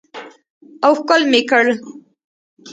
او ښکل مې کړ.